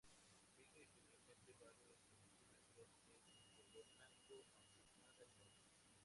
Mide generalmente varios milímetros, es de color blanco, aplanada y móvil.